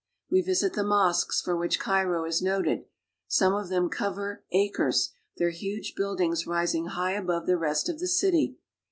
We visit the mosques for which Cairo is noted. Some of them cover acres, their huge buildings rising high above the rest of the city.